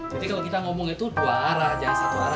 jadi kalau kita ngomongnya itu dua arah jangan satu arah